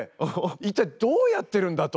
一体どうやってるんだ？と。